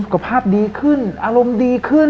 ภาพดีขึ้นอารมณ์ดีขึ้น